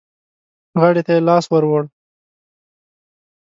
غاړې ته يې لاس ور ووړ.